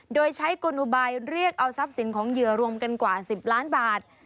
โดยใช้กลอุบายเรียกเอาทรัพย์สินของเหยื่อรวมกันกว่า๑๐ล้านบาท